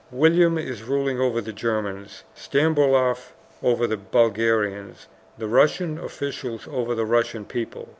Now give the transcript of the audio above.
William is ruling over the Germans, Stambouloff over the Bulgarians, the Russian officials over the Russian people.